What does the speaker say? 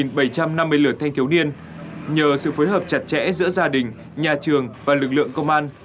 năm mới lửa thanh thiếu niên nhờ sự phối hợp chặt chẽ giữa gia đình nhà trường và lực lượng công an